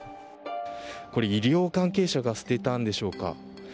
医療関係者が捨てたんでしょうか。